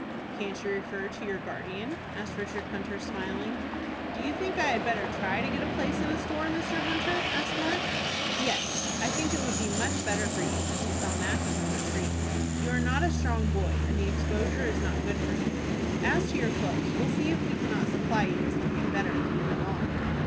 "Can't you refer to your guardian?" asked Richard Hunter, smiling. "Do you think I had better try to get a place in a store, Mr. Hunter?" asked Mark. "Yes, I think it would be much better for you than to sell matches on the street. You are not a strong boy, and the exposure is not good for you. As to your clothes, we'll see if we cannot supply you with something better than you have on."